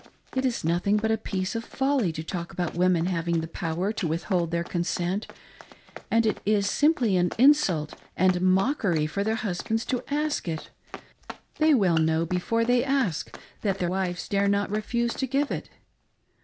It is ftothing but a piece of folly to talk about women having the power to with hold thdr consent, and it is simply an insult and a mock ery for their husbands to ask it ; they well know before they ask that their wives dare not refuse to give it.